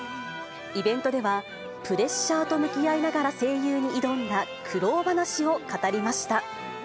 イベントでは、プレッシャーと向き合いながら声優に挑んだ苦労話を語りました。